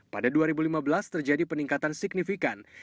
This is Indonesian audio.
pada dua ribu lima belas terjadi peningkatan signifikan